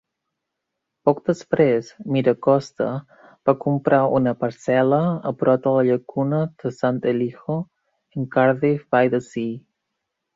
Poc després, MiraCosta va comprar una parcel·la a prop de la llacuna de San Elijo, en Cardiff-by-the-Sea.